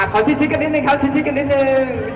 ขอชิดกันนิดนึงเซีย